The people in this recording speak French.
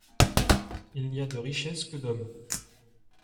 Il n'y a de richesses que d'hommes